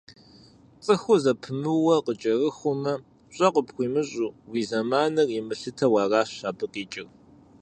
Цӏыхур зэпымыууэ къыкӏэрыхумэ, пщӏэ къыпхуимыщӏу, уи зэманыр имылъытэу аращ абы къикӏыр.